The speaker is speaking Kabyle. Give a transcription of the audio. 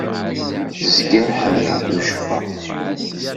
Zgiɣ ḥemmleɣ tuccfa.